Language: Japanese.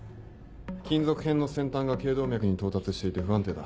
金属片の先端が頸動脈に到達していて不安定だ。